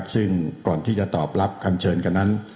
ซึ่งก่อนที่จะตอบรับคำเชิญกันนั้น